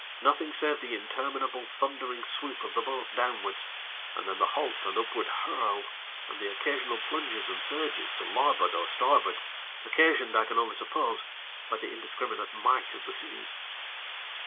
Nothing save the interminable, thundering swoop of the boat downwards, and then the halt and upward hurl, and the occasional plunges and surges to larboard or starboard, occasioned, I can only suppose, by the indiscriminate might of the seas.